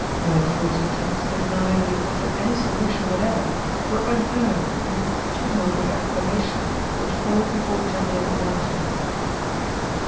Mirliflor's attempts to deny that he had offered any solution whatever were unheard in the tumult of acclamation which followed the Court Chamberlain's announcement.